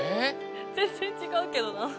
全然違うけどなあ。